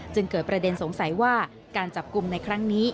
เกิดประเด็นสงสัยว่าการจับกลุ่มในครั้งนี้